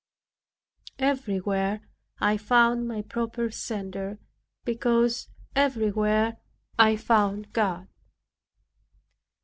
Everywhere I found my proper center, because everywhere I found God.